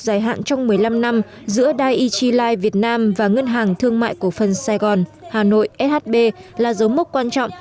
giải hạn trong một mươi năm năm giữa daiichi life việt nam và ngân hàng thương mại cổ phân sài gòn hà nội shb là dấu mốc quan trọng